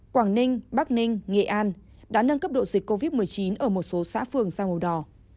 quảng ninh bắc ninh nghệ an đã nâng cấp độ dịch covid một mươi chín ở một số xã phường sang màu đỏ